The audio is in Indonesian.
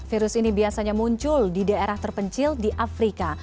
virus ini biasanya muncul di daerah terpencil di afrika